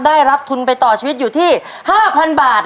ได้รับทุนไปต่อชีวิตอยู่ที่๕๐๐๐บาท